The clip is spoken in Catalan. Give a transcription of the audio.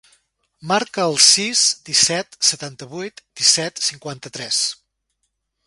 Marca el sis, disset, setanta-vuit, disset, cinquanta-tres.